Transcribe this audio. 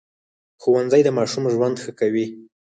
ښوونځی د ماشوم ژوند ښه کوي